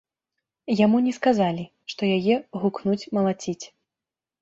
Яму не сказалі, што яе гукнуць малаціць.